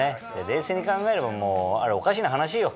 冷静に考えればもうあれおかしな話よ。